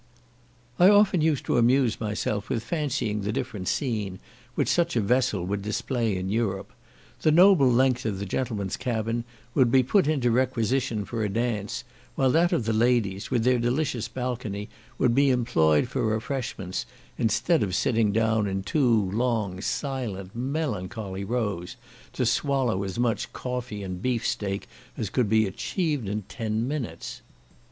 I often used to amuse myself with fancying the different scene which such a vessel would display in Europe. The noble length of the gentlemen's cabin would be put into requisition for a dance, while that of the ladies, with their delicious balcony, would be employed for refreshments, instead of sitting down in two long silent melancholy rows, to swallow as much coffee and beef steak as could be achieved in ten minutes.